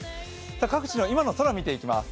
各地の今の空を見ていきます。